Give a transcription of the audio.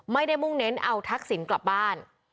ไม่ได้มุ่งเน้นเอาทักศิลป์กลับบ้าน